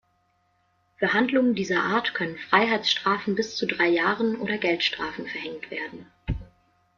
Für Handlungen dieser Art können Freiheitsstrafen bis zu drei Jahren oder Geldstrafen verhängt werden.